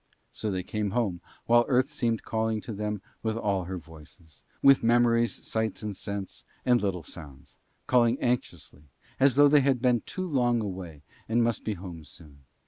So they came home, while Earth seemed calling to them with all her voices; with memories, sights and scents, and little sounds; calling anxiously, as though they had been too long away and must be home soon.